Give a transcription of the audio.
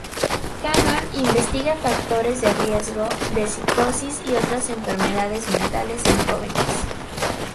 Cannon investiga factores de riesgo de psicosis y otras enfermedades mentales en jóvenes.